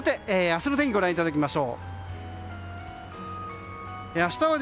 明日の天気をご覧いただきます。